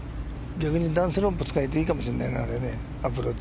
逆にダウンスロープ使えていいかもしれない、アプローチ。